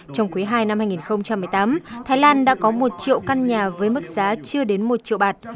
trong quý ii năm hai nghìn một mươi tám thái lan đã có một triệu căn nhà với mức giá chưa đến một triệu bạt